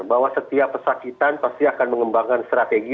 bahwa setiap pesakitan pasti akan mengembangkan strategi